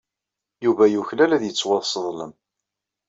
Yuba yuklal ad yettwasseḍlem.